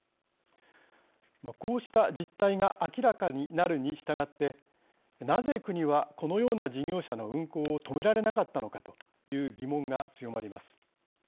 こうした実態が明らかになるにしたがってなぜ国はこのような事業者の運航を止められなかったのかという疑問が強まります。